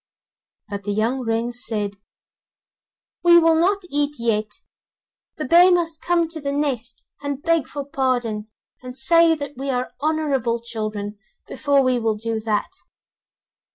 But the young wrens said: 'We will not eat yet, the bear must come to the nest, and beg for pardon and say that we are honourable children, before we will do that.